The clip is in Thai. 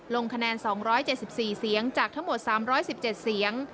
ลงคะแนน๒๗๔เสียงจากทั้งหมด๓๑๗เสียง